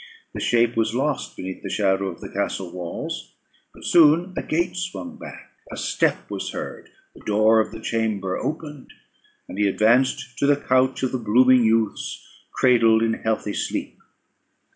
The shape was lost beneath the shadow of the castle walls; but soon a gate swung back, a step was heard, the door of the chamber opened, and he advanced to the couch of the blooming youths, cradled in healthy sleep.